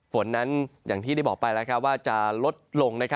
ฝนนั้นอย่างที่ได้บอกไปแล้วว่าจะลดลง